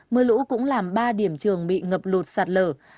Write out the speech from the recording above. mưa lũ cũng làm ba điểm trường bị ngập lụt sạt lở